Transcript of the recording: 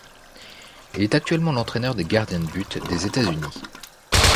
Il est actuellement l'entraîneur des gardiens de but des États-Unis.